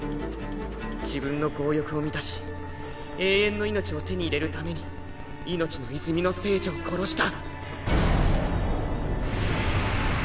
自分の強欲を満たし永遠の命を手に入れるために「生命の泉」の聖女を殺した。